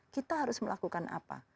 kita harus melakukan apa